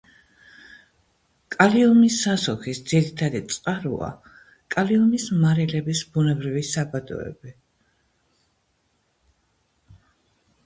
კალიუმის სასუქის ძირითადი წყაროა კალიუმის მარილების ბუნებრივი საბადოები.